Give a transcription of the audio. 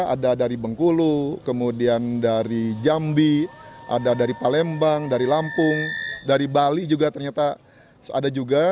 ada dari bengkulu kemudian dari jambi ada dari palembang dari lampung dari bali juga ternyata ada juga